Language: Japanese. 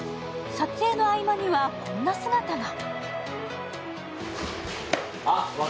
撮影の合間には、こんな姿が。